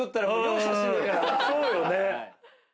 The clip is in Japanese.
そうよね。